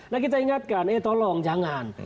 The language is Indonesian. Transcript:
nah kita ingatkan eh tolong jangan